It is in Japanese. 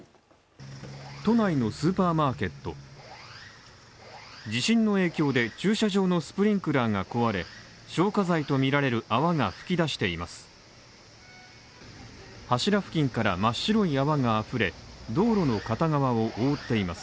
都内のスーパーマーケット地震の影響で駐車場のスプリンクラーが壊れ、消火剤とみられる泡が噴き出しています。